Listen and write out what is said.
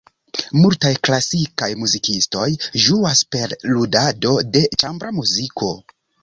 Multaj klasikaj muzikistoj ĝuas per ludado de ĉambra muziko.